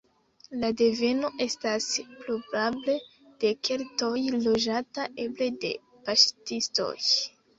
La deveno estas probable de keltoj, loĝata eble de paŝtistoj.